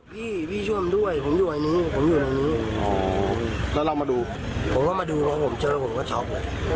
ตกไปตั้งแต่๔โมงหรอครับ